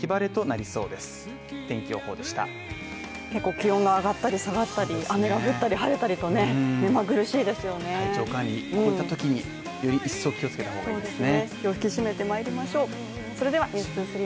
気温が上がったり下がったり雨が降ったり晴れたりとね、目まぐるしいですよねより一層気をつけた方がいいですね